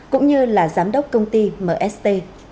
cũng như là giám đốc công ty mst